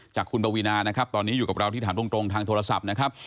จากคุณปวีนานะครับตอนนี้อยู่กับเราที่ถามตรงทางโทรศัพท์นะครับ